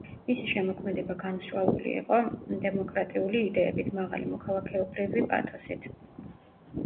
მისი შემოქმედება გამსჭვალული იყო დემოკრატიული იდეებით, მაღალი მოქალაქეობრივი პათოსით.